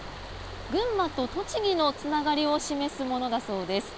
群馬と栃木のつながりを示すものだそうです。